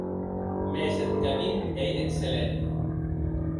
Mès eth camin ei excellent.